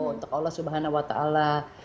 untuk allah subhanahu wa ta'ala